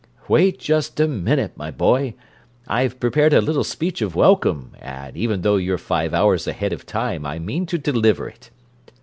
"Wait just a minute, my boy. I've prepared a little speech of welcome, and even though you're five hours ahead of time, I mean to deliver it.